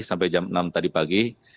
sampai jam enam tadi pagi